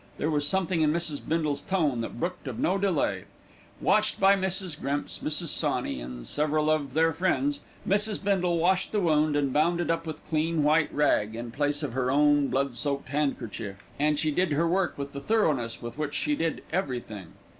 There was something in Mrs. Bindle's tone that brooked of no delay. Watched by Mrs. Grimps, Mrs. Sawney, and several of their friends, Mrs. Bindle washed the wound and bound it up with clean white rag, in place of her own blood soaked handkerchief, and she did her work with the thoroughness with which she did everything.